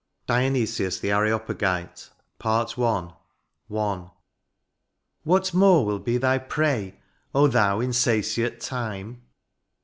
DIONYSIUS, THE AREOPAGITE* PART I. I. What more will be thy prey ? Oh thou insatiate time